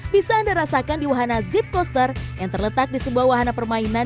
bisa anda rasakan di wahana zip coaster yang terletak di sebuah wahana permainan